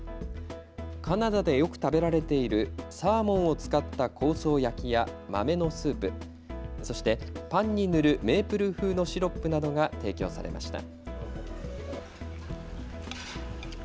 カナダでよく食べられているサーモンを使った香草焼きや豆のスープ、そしてパンに塗るメープル風のシロップなどが提供されました。